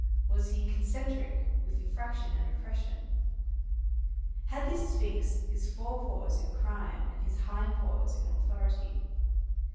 Was he concentric with infraction and repression? Had this sphinx his fore paws in crime and his hind paws in authority?